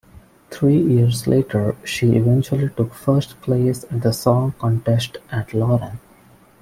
Three years later, she eventually took first place at the song contest at Laudun.